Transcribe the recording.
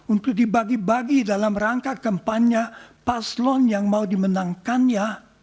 untuk dibagi bagi dalam rangka kampanye paslon yang mau dimenangkannya